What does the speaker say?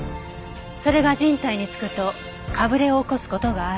それが人体に付くとかぶれを起こす事がある。